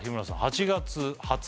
８月２０日